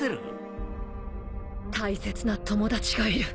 大切な友達がいる。